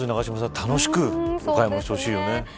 楽しくお買い物してほしいですね。